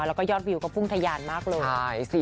แล้วก็ยอดวิวก็พุ่งทะยานมากเลย